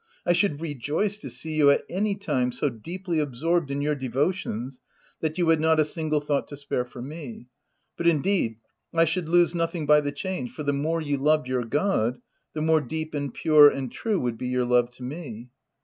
I should rejoice to see you at any time, so deeply absorbed in your devotions that you had not a single thought to spare for me. But, indeed, I should lose nothing by the change, for the more you loved your God the more deep and pure and true would be your love to me."